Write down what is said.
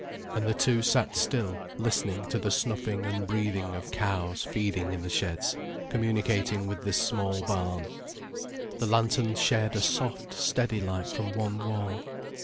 And the two sat still listening to the snuffing and breathing of cows feeding in the sheds communicating with this small barn. The lantern shed a soft, steady light from one wall.